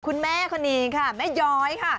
คุณแม่คนนี้ค่ะแม่ย้อยค่ะ